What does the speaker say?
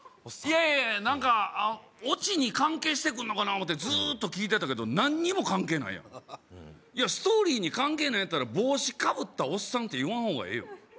いやいや何かオチに関係してくんのかな思ってずーっと聞いてたけど何にも関係ないやんストーリーに関係ないんやったら帽子かぶったおっさんって言わん方がええよ